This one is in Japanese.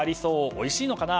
おいしいのかな？